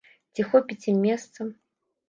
Ці хопіць ім месца?